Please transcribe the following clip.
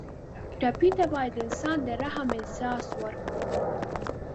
ټپي ته باید د انسان د رحم احساس ورکړو.